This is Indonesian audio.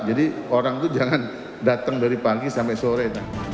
jadi orang itu jangan datang dari pagi sampai sore